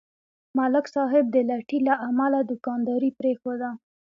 ملک صاحب د لټۍ له امله دوکانداري پرېښوده.